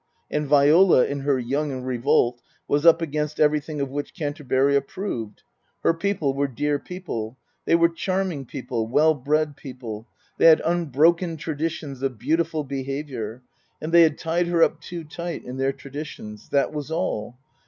And Viola, in her young revolt, was up against everything of which Canterbury approved. Her people were dear people ; they were charming people, well bred people ; they had unbroken traditions of beautiful behaviour. And they had tied her up too tight in their traditions ; that was all.